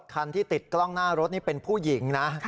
คันที่ติดกล้องหน้ารถนี่เป็นผู้หญิงนะ